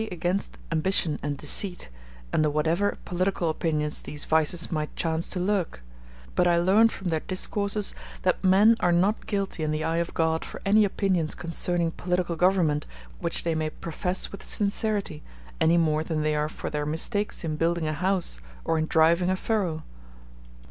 ] I heard them inveigh against ambition and deceit, under whatever political opinions these vices might chance to lurk; but I learned from their discourses that men are not guilty in the eye of God for any opinions concerning political government which they may profess with sincerity, any more than they are for their mistakes in building a house or in driving a furrow.